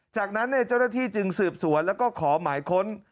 จากนั้นเจ้าหน้าที่จึงสืบสวนแล้วก็ขอหมายค้น